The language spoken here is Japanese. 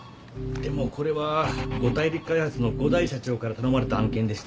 でもこれは五大陸開発の五大社長から頼まれた案件でして。